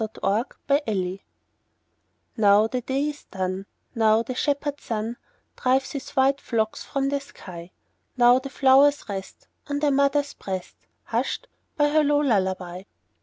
Louisa May Alcott Lullaby NOW the day is done, Now the shepherd sun Drives his white flocks from the sky; Now the flowers rest On their mother's breast, Hushed by her low lullaby.